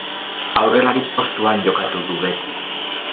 Aurrelari postuan jokatu du beti.